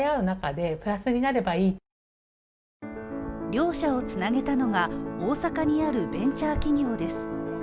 両者をつなげたのが、大阪にあるベンチャー企業です。